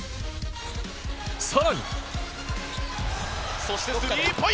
更に。